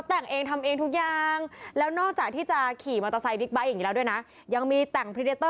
คนนี้แหละนี่ไงจำได้ไหม